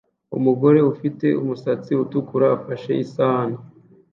Umugore ufite umusatsi utukura ufashe isahani